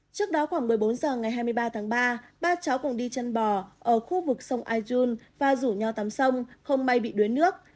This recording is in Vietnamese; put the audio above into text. trước đó khoảng một mươi bốn h ngày hai mươi ba tháng ba ba cháu cùng đi chân bò ở khu vực sông ayun và rủ nhau tắm sông không may bị đuối nước